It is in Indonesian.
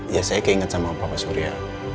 ya saya keinget sama pak surya